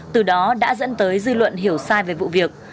từ đó đã dẫn tới dư luận hiểu sai về vụ việc